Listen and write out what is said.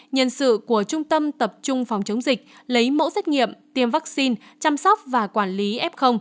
nhân sự của trung tâm tập trung phòng chống dịch lấy mẫu xét nghiệm tiêm vaccine chăm sóc và quản lý f